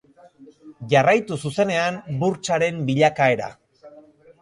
Jarraitu zuzenean burtsaren bilakaera.